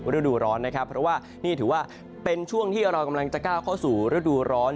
เพราะว่านี่ถือว่าเป็นช่วงที่เรากำลังจะเข้าสู่รื้อดูร้อน